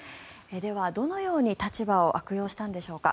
ではどのように立場を悪用したんでしょうか。